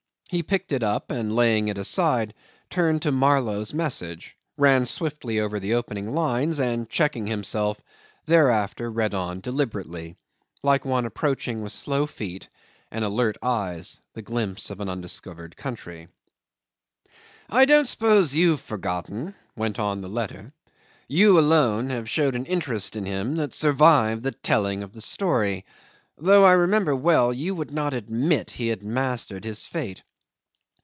He picked it up and, laying it aside, turned to Marlow's message, ran swiftly over the opening lines, and, checking himself, thereafter read on deliberately, like one approaching with slow feet and alert eyes the glimpse of an undiscovered country. '... I don't suppose you've forgotten,' went on the letter. 'You alone have showed an interest in him that survived the telling of his story, though I remember well you would not admit he had mastered his fate.